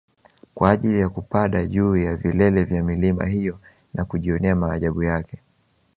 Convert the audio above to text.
kwa ajili ya kupada juu ya vilele vya milima hiyo na kujionea maajabu yake